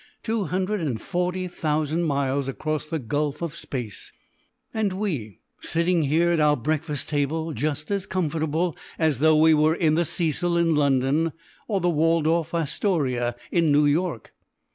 Two hundred and forty thousand miles across the gulf of Space and we sitting here at our breakfast table just as comfortable as though we were in the Cecil in London, or the Waldorf Astoria in New York!"